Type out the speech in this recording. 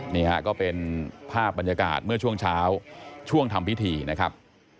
นี่ฮะก็เป็นภาพบรรยากาศเมื่อช่วงเช้าช่วงทำพิธีนะครับ